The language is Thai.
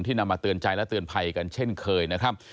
นำมาเตือนใจและเตือนภัยกันเช่นเคยนะครับ